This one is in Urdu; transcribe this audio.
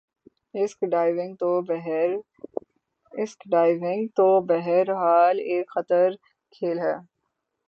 اسک ڈائیونگ تو بہر حال ایک خطر کھیل ہے